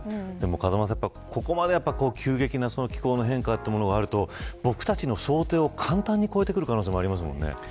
風間さん、ここまで急激な気候の変化というものがあると僕たちの想定を簡単に超えてくる可能性、ありますよね。